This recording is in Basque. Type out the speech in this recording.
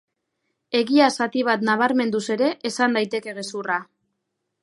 Egia zati bat nabarmenduz ere esan daiteke gezurra.